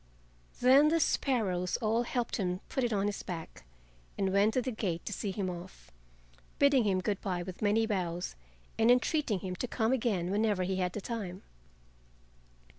Then the sparrows all helped him put it on his back and went to the gate to see him off, bidding him good by with many bows and entreating him to come again whenever he had the time.